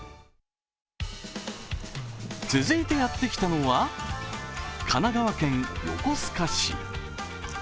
続いてやってきたのは神奈川県横須賀市。